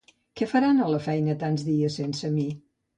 Què faran a la feina tants dies sense mi?